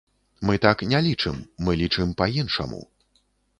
Мы так не лічым, мы лічым па-іншаму.